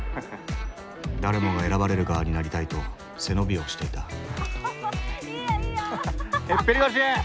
誰もが選ばれる側になりたいと背伸びをしていたいいよいいよ！